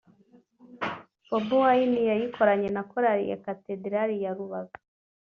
Bobi Wine yayikoranye na Korali ya Cathedral ya Rubaga